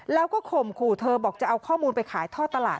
แล้วก็ข่มขู่เธอบอกจะเอาข้อมูลไปขายท่อตลาด